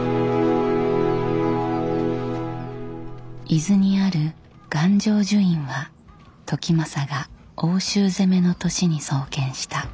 伊豆にある願成就院は時政が奥州攻めの年に創建した。